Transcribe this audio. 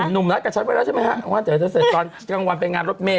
หนุ่มนัดกับฉันไว้แล้วใช่ไหมฮะว่าเดี๋ยวจะเสร็จตอนกลางวันไปงานรถเมฆ